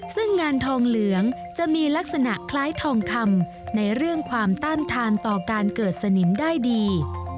ซึ่งงานทองเหลืองจะมีลักษณะคล้ายทองคำในเรื่องความต้านทานต่อการเกิดสนิมได้ดี